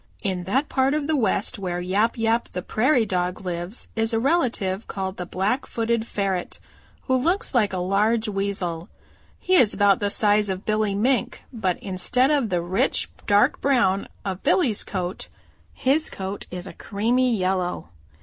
"In that part of the West where Yap Yap the Prairie Dog lives is a relative called the Blackfooted Ferret who looks like a large Weasel. He is about the size of Billy Mink, but instead of the rich dark brown of Billy's coat his coat is a creamy yellow.